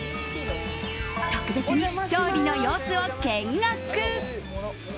特別に調理の様子を見学。